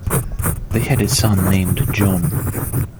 They had a son named John.